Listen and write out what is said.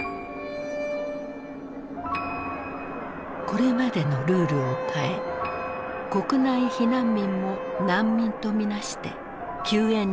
これまでのルールを変え国内避難民も難民と見なして救援に踏み切ったのだ。